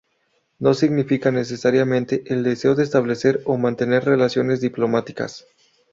No significa necesariamente el deseo de establecer o mantener relaciones diplomáticas.